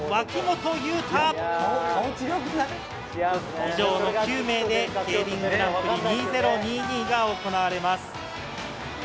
以上の９名でＫＥＩＲＩＮグランプリ２０２２が行われます。